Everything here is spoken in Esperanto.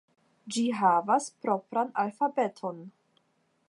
Ĝi havas propran alfabeton.